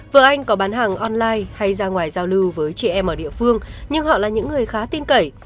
vợ anh có bán hàng online hay ra ngoài giao lưu với trẻ em ở địa phương nhưng họ là những người khá tin cậy